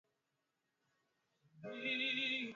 Magonjwa yanayobainika kwa namna ya kupumua